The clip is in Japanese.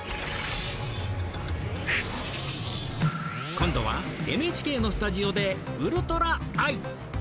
今度はＮＨＫのスタジオで「ウルトラアイ」！